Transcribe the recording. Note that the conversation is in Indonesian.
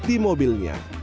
dibuat di mobilnya